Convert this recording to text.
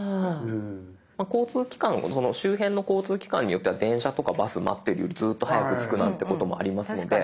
まあその周辺の交通機関によっては電車とかバス待ってるよりずっと早く着くなんてこともありますので。